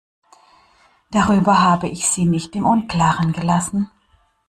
Darüber habe ich sie nicht im Unklaren gelassen.